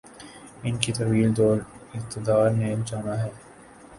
ان کے طویل دور اقتدار نے جانا ہے۔